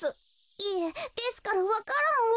いえですからわか蘭を。